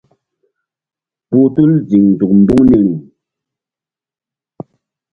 Kpuh tul ziŋ nzuk mbuŋ niri.